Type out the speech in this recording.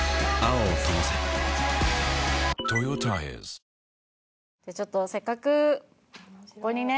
ホントじゃあちょっとせっかくここにね